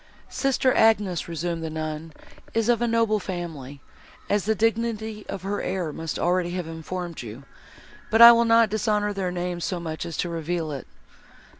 "Sister Agnes," resumed the nun, "is of a noble family, as the dignity of her air must already have informed you, but I will not dishonour their name so much as to reveal it.